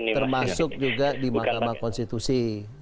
termasuk juga di mahkamah konstitusi